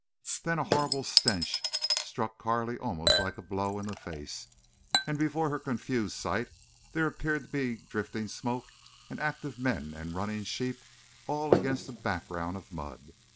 Then a horrible stench struck Carley almost like a blow in the face, and before her confused sight there appeared to be drifting smoke and active men and running sheep, all against a background of mud.